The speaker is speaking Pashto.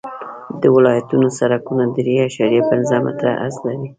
د ولایتونو سرکونه درې اعشاریه پنځه متره عرض لري